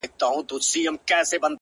دا لوړ ځل و، تر سلامه پوري پاته نه سوم،